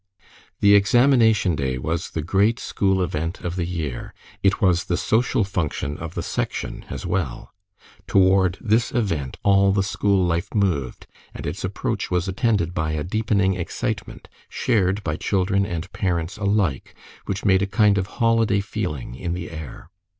The examination day was the great school event of the year. It was the social function of the Section as well. Toward this event all the school life moved, and its approach was attended by a deepening excitement, shared by children and parents alike, which made a kind of holiday feeling in the air.